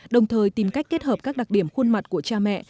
đồng thời tìm cách kết hợp các đặc điểm khuôn mặt của cha mẹ